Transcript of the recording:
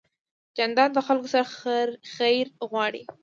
جانداد د خلکو سره خیر غواړي.